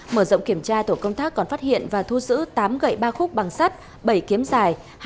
mở rộng kiểm tra tổ công tác còn phát hiện và thu giữ tám gậy ba khúc bằng sắt bảy kiếm dài